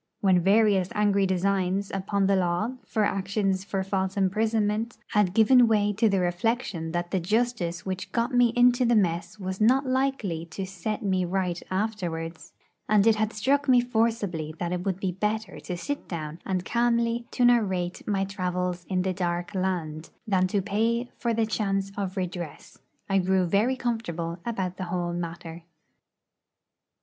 When various angry designs upon the law, for actions for false imprisonment, had given way to the reflection that the justice which got me into the mess was not likely to set me right afterwards, and it had struck me forcibly that it would be better to sit down and calmly to narrate my 'travels in the dark land' than to pay for the chance of redress, I grew very comfortable about the whole matter.